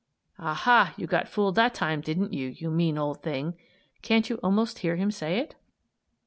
"Aha! You got fooled that time, didn't you? You mean old thing!" (Can't you almost hear him say it?)